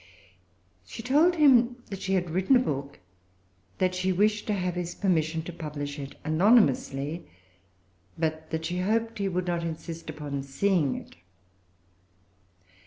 She told him that she had written a book, that she wished to have his permission to publish it anonymously, but that she hoped that he would not insist upon seeing it.